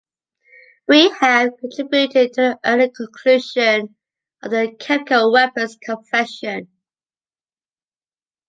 We have contributed to the early conclusion of the Chemical Weapons Convention.